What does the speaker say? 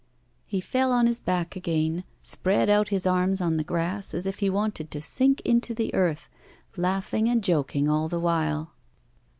He fell on his back again, spread out his arms on the grass, as if he wanted to sink into the earth, laughing and joking all the while.